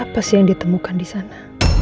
apa sih yang ditemukan di sana